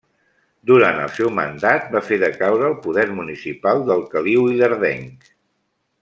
Durant el seu mandat va fer decaure el poder municipal del Caliu Ilerdenc.